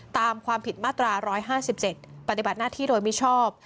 ตามความผิดมาตรา๑๕๗ปฏิบัติหน้าที่โดยมิชอบ